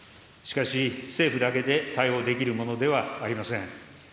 しかし、政府だけで対応できるものではありません。